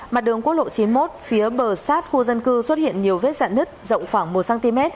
mặt đường quốc lộ chín mươi một phía bờ sát khu dân cư xuất hiện nhiều vết sạn nứt rộng khoảng một cm